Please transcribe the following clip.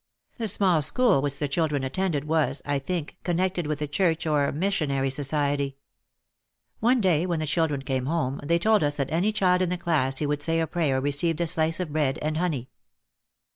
The small school which the children attended was, I think, connected with a church or a missionary society. One day when the children came home they told us that any child in the class who would say a prayer received a slice of bread and honey.